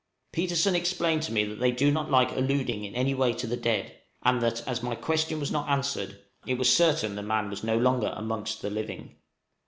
Petersen explained to me that they do not like alluding in any way to the dead, and that, as my question was not answered, it was certain the man was no longer amongst the living.